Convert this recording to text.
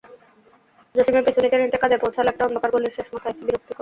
জসিমের পিছু নিতে নিতে কাদের পৌঁছাল একটি অন্ধকার গলির শেষ মাথায়।